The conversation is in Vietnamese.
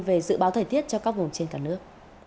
về dự báo thời tiết cho các vùng trên cả nước